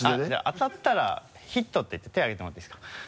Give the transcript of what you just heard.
当たったら「ヒット」って言って手あげてもらっていいですか？